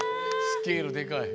スケールでかい。